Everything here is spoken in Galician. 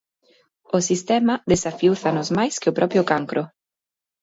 O sistema desafiúzanos máis que o propio cancro.